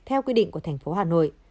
theo quy định của thành phố hà nội